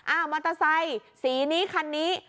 มอเตอร์ไซค์สีนี้คันนี้